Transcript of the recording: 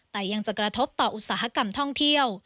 แต่ยังจะกระทบต่ออุตสาหกรรมท่องเที่ยว